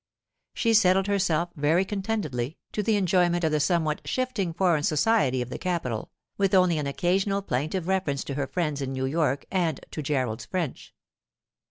She settled herself very contentedly to the enjoyment of the somewhat shifting foreign society of the capital, with only an occasional plaintive reference to her friends in New York and to Gerald's French.